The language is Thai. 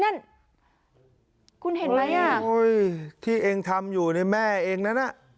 นั่นคุณเห็นไหมอ่ะที่เองทำอยู่ในแม่เองนั้นน่ะ